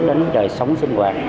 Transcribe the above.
đến đời sống sinh hoạt